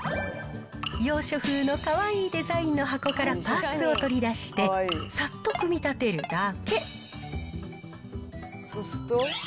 洋書風のかわいいデザインの箱からパーツを取り出して、さっと組み立てるだけ。